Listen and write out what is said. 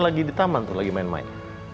lagi di taman tuh lagi main main